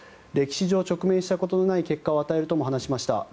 歴史上直面したことのない結果を与えるとも話しました。